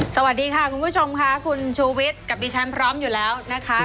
สวัสดีค่ะคุณผู้ชมค่ะคุณชูวิทย์กับดิฉันพร้อมอยู่แล้วนะคะ